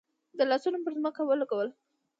ده لاسونه پر ځمکه ولګول.